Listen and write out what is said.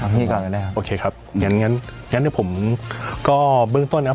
ทำพี่ก่อนก็ได้ครับโอเคครับอย่างงั้นอย่างงั้นผมก็เบื้องต้นนะครับ